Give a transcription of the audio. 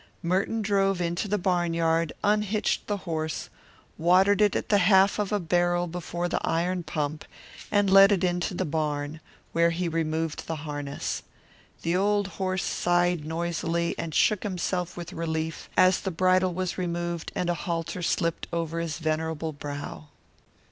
Merton drove into the barnyard, unhitched the horse, watered it at the half of a barrel before the iron pump, and led it into the barn, where he removed the harness. The old horse sighed noisily and shook himself with relief as the bridle was removed and a halter slipped over his venerable brow.